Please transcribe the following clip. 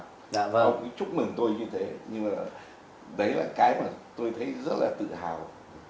ông cũng chúc mừng tôi như thế nhưng mà đấy là cái mà tôi thấy rất là tự hào